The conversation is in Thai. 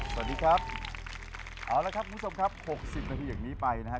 สวัสดีครับเอาละครับคุณผู้ชมครับหกสิบนาทีอย่างนี้ไปนะครับ